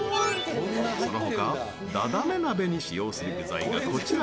そのほか、ダダメ鍋に使用する具材がこちら。